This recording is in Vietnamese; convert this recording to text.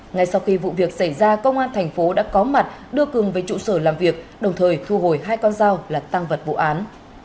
ngay sau khi vụ việc xảy ra công an thành phố đã có mặt đưa cường về trụ sở làm việc đồng thời thu hồi hai con dao là tăng vật vụ án